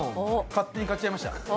勝手に買っちゃいました。